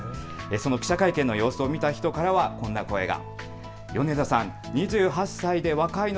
記者会見の様子を見た人からはこんな声が。